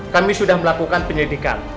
kami sudah melakukan penyelidikan